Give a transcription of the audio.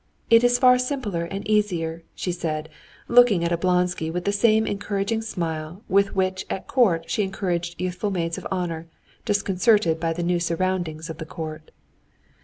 It is far simpler and easier," she added, looking at Oblonsky with the same encouraging smile with which at court she encouraged youthful maids of honor, disconcerted by the new surroundings of the court.